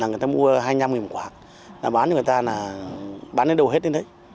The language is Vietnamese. người ta mua hai mươi năm quả là bán cho người ta là bán đến đâu hết đến đấy